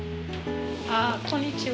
こんにちは。